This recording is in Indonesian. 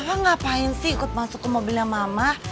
wah ngapain sih ikut masuk ke mobilnya mama